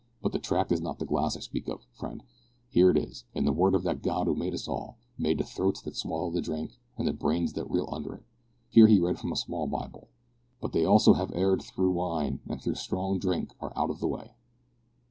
"But the tract is not the glass I speak of, friend: here it is, in the Word of that God who made us all made the throats that swallow the drink, and the brains that reel under it." Here he read from a small Bible, "`But they also have erred through wine, and through strong drink are out of the way.'"